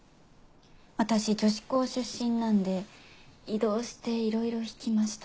私女子校出身なんで異動していろいろ引きました。